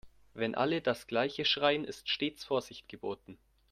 Wenn alle das gleiche schreien, ist stets Vorsicht geboten.